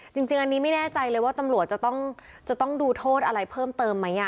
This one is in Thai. จริงอันนี้ไม่แน่ใจเลยว่าตำรวจจะต้องดูโทษอะไรเพิ่มเติมไหม